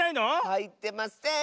はいってません！